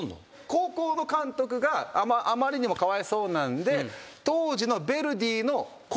高校の監督があまりにもかわいそうなんで。